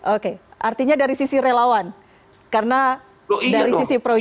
oke artinya dari sisi relawan karena dari sisi proyek